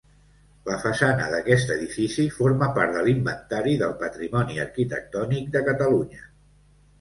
La façana d'aquest edifici forma part de l'Inventari del Patrimoni Arquitectònic de Catalunya.